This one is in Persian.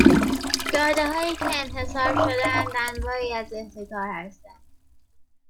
داده هایی که انحصار شده اند، انواعی از احتکار هستند